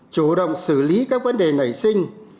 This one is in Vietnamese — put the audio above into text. chủ động xử lý các vấn đề nảy sinh